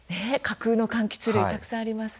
架空のかんきつ類たくさんあります。